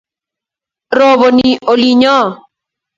Roboni olinyoo